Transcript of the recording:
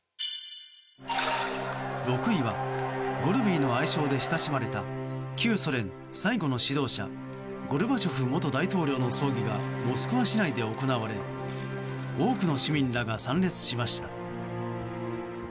６位はゴルビーの愛称で親しまれた旧ソ連最後の指導者ゴルバチョフ元大統領の葬儀がモスクワ市内で行われ多くの市民らが参列しました。